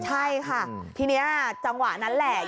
ใช่ค่ะทีนี้จังหวะนั้นแหละ